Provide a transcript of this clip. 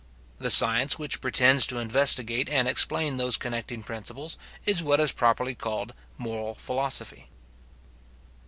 The science which pretends to investigate and explain those connecting principles, is what is properly called Moral Philosophy.